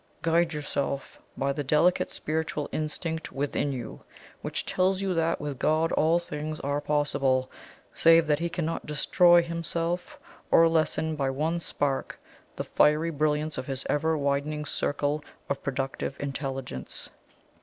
Guide yourself by the delicate Spiritual Instinct within you, which tells you that with God all things are possible, save that He cannot destroy Himself or lessen by one spark the fiery brilliancy of his ever widening circle of productive Intelligence.